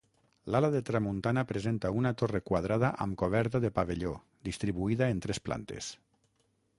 L'ala de tramuntana presenta una torre quadrada amb coberta de pavelló, distribuïda en tres plantes.